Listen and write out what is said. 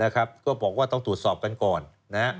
ก็บอกว่าต้องตรวจสอบกันก่อน